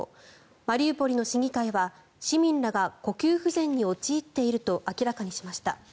マリウポリの市議会は市民らが呼吸不全に陥っていると明らかにしました。